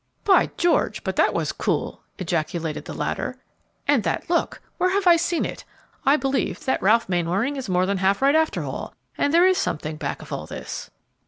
"By George, but that was cool!" ejaculated the latter. "And that look; where have I seen it? I believe that Ralph Mainwaring is more than half right after all, and there is something back of all this!"